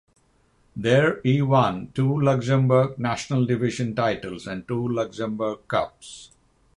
There he won two Luxembourg National Division titles and two Luxembourg Cups.